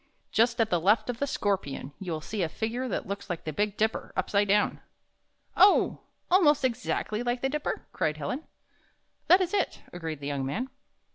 "Just at the left of the Scorpion, you will see a figin^e that looks like the Big Dipper up side down." "Oh! almost exactly like the Dipper?" cried Helen. "That is it," agreed the young man.